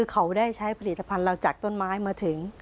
เขาได้ใช้ผลิตภัณฑ์เราจากต้นไม้มาถึง